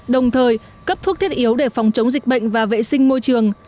đồng thời cấp thuốc thiết yếu để phòng chống dịch bệnh và vệ sinh môi trường